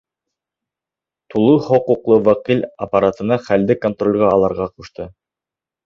Тулы хоҡуҡлы вәкил аппаратына хәлде контролгә алырға ҡушылды.